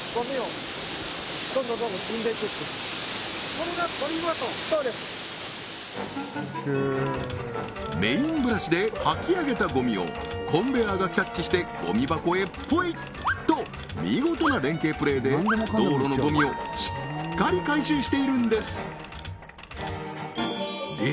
これが回りますメインブラシで掃き上げたゴミをコンベアがキャッチしてゴミ箱へポイ！と見事な連携プレーで道路のゴミをしっかり回収しているんですで